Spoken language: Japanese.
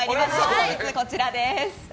本日、こちらです。